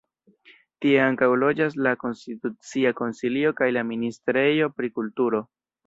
Tie ankaŭ loĝas la Konstitucia Konsilio kaj la ministrejo pri kulturo.